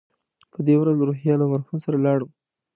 په دې ورځ له روهیال او مرهون سره لاړم.